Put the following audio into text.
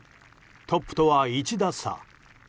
トップとは１打差。